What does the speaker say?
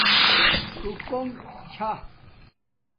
ژݻکُنک چھݳ